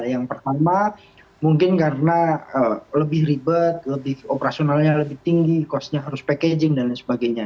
yang pertama mungkin karena lebih ribet operasionalnya lebih tinggi cost nya harus packaging dan lain sebagainya